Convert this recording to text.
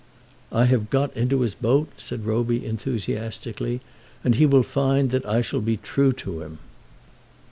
"I have got into his boat," said Roby, enthusiastically, "and he will find that I shall be true to him."